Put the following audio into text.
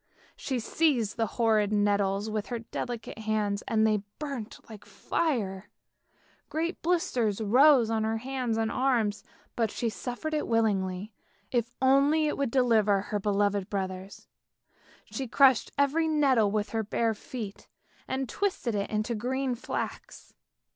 She seized the horrid nettles with her delicate hands, and they burnt like fire; great blisters rose on her hands and arms, but she suffered it willingly if only it would deliver her beloved brothers. She crushed every nettle with her bare feet, and twisted it into green flax.